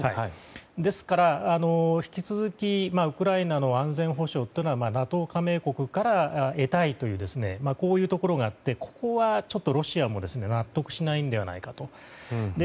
ですから、引き続きウクライナの安全保障というのはＮＡＴＯ加盟国から得たいというところがあってここはロシアも納得しないのではないかと。